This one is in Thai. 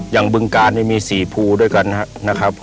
อย่างบึงการมี๔ภูด้วยกันนะครับ